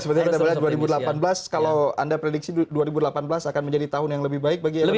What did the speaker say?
sepertinya kita melihat dua ribu delapan belas kalau anda prediksi dua ribu delapan belas akan menjadi tahun yang lebih baik bagi indonesia